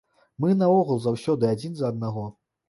Мы наогул заўсёды адзін за аднаго.